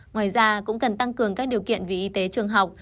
ngoài ra cũng cần tăng cường các điều kiện về y tế trường học